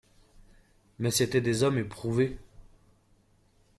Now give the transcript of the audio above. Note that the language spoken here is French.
Mais c'étaient des hommes éprouvés.